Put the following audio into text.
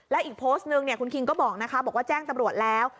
และอีกโพสต์นึงคุณคิงก็บอกนะคะบอกว่าแจ้งตำรวจแล้ว